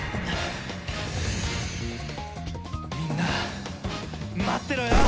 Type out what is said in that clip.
みんな待ってろよ！